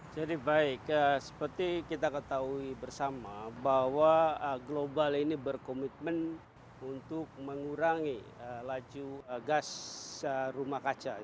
jadi baik seperti kita ketahui bersama bahwa global ini berkomitmen untuk mengurangi laju gas rumah kaca